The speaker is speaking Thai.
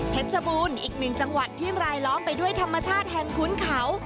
ชบูรณ์อีกหนึ่งจังหวัดที่รายล้อมไปด้วยธรรมชาติแห่งคุ้นเขา